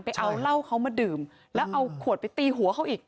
ไปเอาเหล้าเขามาดื่มแล้วเอาขวดไปตีหัวเขาอีก